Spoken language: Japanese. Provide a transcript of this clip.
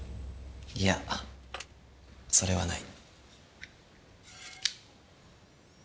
いやそれはない。